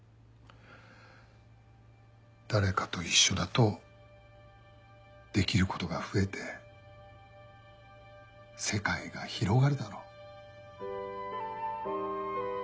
誰かと一緒だとできることが増えて世界が広がるだろ。